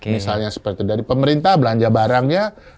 misalnya seperti dari pemerintah belanja barangnya